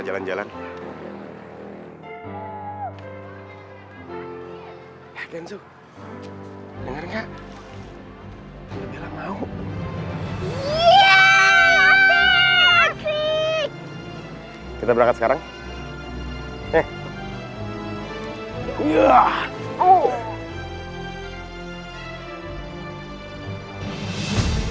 jalan jalan hai kenzo denger nggak mau kita berangkat sekarang eh iya uh